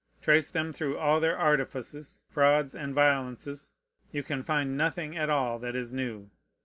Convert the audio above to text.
Trace them through all their artifices, frauds, and violences, you can find nothing at all that is new.